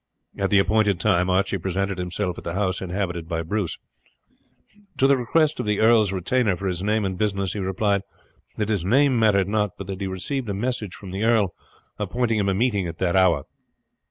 At the appointed time Archie presented himself at the house inhabited by Bruce. To the request of the earl's retainer for his name and business he replied that his name mattered not, but that he had received a message from the earl appointing him a meeting at that hour.